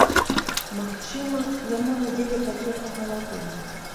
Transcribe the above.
Магчыма, яму надзелі пакет на галаву.